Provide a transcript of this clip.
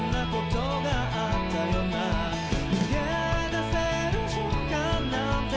「逃げ出せる瞬間なんて」